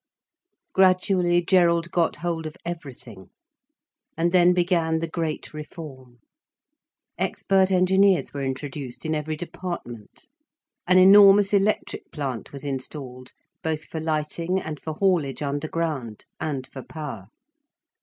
Gradually Gerald got hold of everything. And then began the great reform. Expert engineers were introduced in every department. An enormous electric plant was installed, both for lighting and for haulage underground, and for power.